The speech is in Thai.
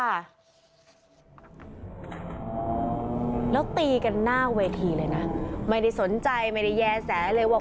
แล้วตีกันหน้าเวทีเลยนะไม่ได้สนใจไม่ได้แย่แสเลยว่า